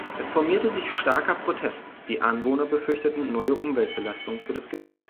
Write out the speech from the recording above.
Es formierte sich starker Protest, die Anwohner befürchteten neue Umweltbelastungen für das Gebiet.